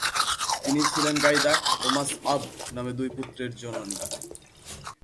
তিনি ছিলেন গাইদাক্ব ও মাস্আব নামে দুই পুত্রের জননী।